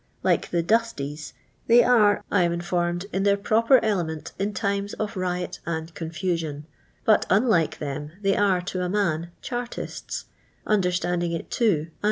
Like the " du.sties" they aie. ■ I am infurroid, in their prop<T ek nient in times ■ iii riit and confusion ; but, unlike them, they are, ti a uia.i, ( hartists, understanding it too, and